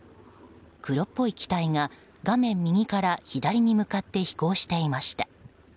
黒っぽい機体が画面右から左に向かって飛行していました。